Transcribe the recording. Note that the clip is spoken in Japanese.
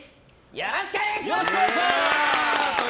よろしくお願いします。